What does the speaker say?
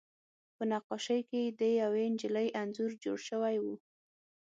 په نقاشۍ کې د یوې نجلۍ انځور جوړ شوی و